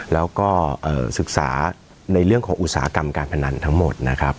แล้วก็ศึกษาในเรื่องของอุตสาหกรรมการพนันทั้งหมดนะครับ